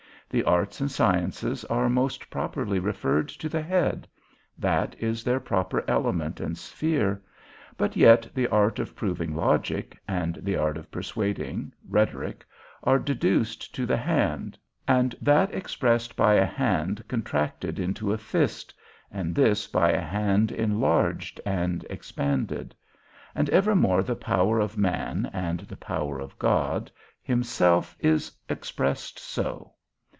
The arts and sciences are most properly referred to the head; that is their proper element and sphere; but yet the art of proving, logic, and the art of persuading, rhetoric, are deduced to the hand, and that expressed by a hand contracted into a fist, and this by a hand enlarged and expanded; and evermore the power of man, and the power of God, himself is expressed so.